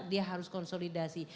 dia harus konsolidasi